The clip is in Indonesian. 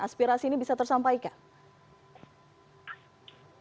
aspirasi ini bisa tersampaikan